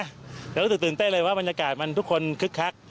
รู้สึกตื่นเต้นเลยว่าบรรยากาศมันทุกคนคึกคัก